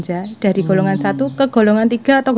jadi di luar kanpark